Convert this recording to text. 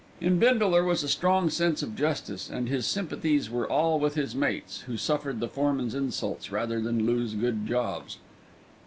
In Bindle there was a strong sense of justice, and his sympathies were all with his mates, who suffered the foreman's insults rather than lose good jobs.